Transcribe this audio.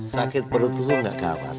sakit perut itu nggak gawat